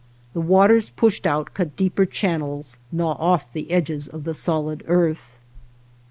The waters pushed out cut deeper channels, gnaw off the edges of the solid earth.